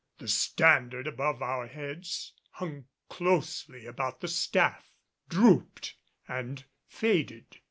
The standard above our heads hung closely about the staff, drooped and faded.